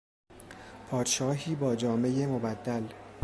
پادشاهی با جامهی مبدل